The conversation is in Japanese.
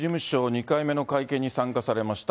２回目の会見に参加されました